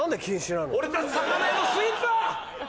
俺たち魚屋のスイーツは。